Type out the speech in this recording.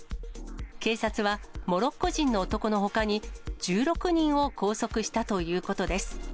警察は、モロッコ人の男のほかに１６人を拘束したということです。